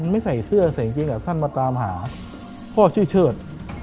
ไม่ใส่เสื้อใส่กางเกงสั้นมาตามหาพ่อชื่อเชิด